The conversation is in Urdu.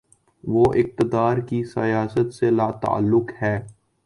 وہ اقتدار کی سیاست سے لاتعلق ہے۔